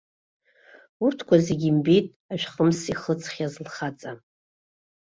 Урҭқәа зегьы имбеит ашәхымс ихыҵхьаз лхаҵа.